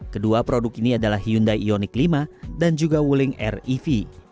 kedua produk ini adalah hyundai ioniq lima dan juga wuling r ev